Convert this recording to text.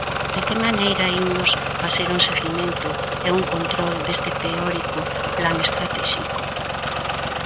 ¿De que maneira imos facer un seguimento e un control deste teórico plan estratéxico?